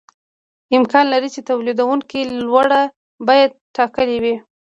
امکان لري چې تولیدونکي لوړه بیه ټاکلې وي